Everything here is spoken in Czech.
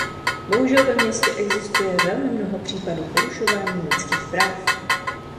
Bohužel ve světě existuje velmi mnoho případů porušování lidských práv.